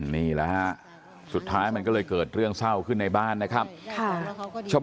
นี่แหละฮะสุดท้ายมันก็เลยเกิดเรื่องเศร้าขึ้นในบ้านนะครับ